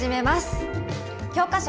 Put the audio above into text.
教科書